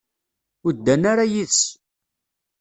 Ur ddan ara yid-s.